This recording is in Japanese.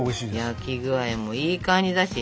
焼き具合もいい感じだし。